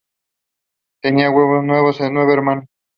Tenía nueve hermanos.